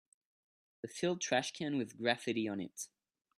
A filled trashcan with graffiti on it